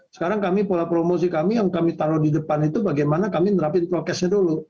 sekarang kami pola promosi kami yang kami taruh di depan itu bagaimana kami menerapkan prokesnya dulu